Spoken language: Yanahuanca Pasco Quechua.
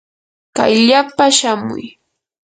kayllapa shamuy.